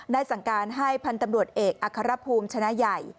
ได้สั่งการให้พันตำรวจเอกอัครพลูมชนะไย